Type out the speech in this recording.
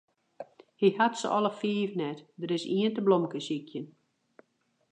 Hy hat se alle fiif net, der is ien te blomkesykjen.